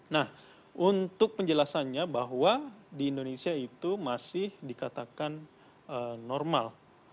nah untuk penjelasannya bahwa di indonesia itu masih dikatakan normal